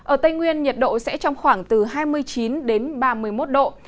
ở tây nguyên nhiệt độ sẽ trong khoảng từ hai mươi chín đến ba mươi một độ